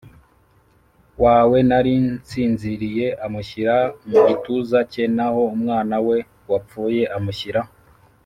Wawe nari nsinziriye amushyira mu gituza cye naho umwana we wapfuye amushyira